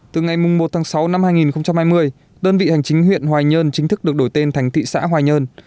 từ ngày một tháng sáu năm hai nghìn hai mươi đơn vị hành chính huyện hoài nhơn chính thức được đổi tên thành thị xã hoài nhơn